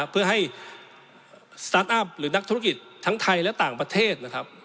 เพื่อให้สตาร์ทอัพหรือนักธุรกิจทั้งไทยและต่างประเทศนะครับ